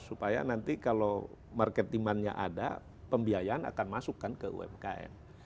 supaya nanti kalau market demandnya ada pembiayaan akan masukkan ke umkm